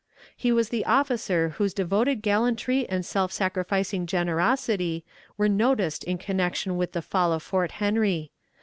He was the officer whose devoted gallantry and self sacrificing generosity were noticed in connection with the fall of Fort Henry.